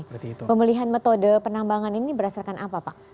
pemulihan metode penambangan ini berdasarkan apa pak